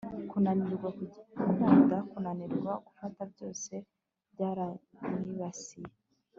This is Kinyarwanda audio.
kunanirwa gukunda, kunanirwa gufata byose byaranyibasiye